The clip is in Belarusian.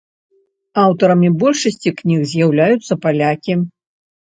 Аўтарамі большасці кніг з'яўляюцца палякі.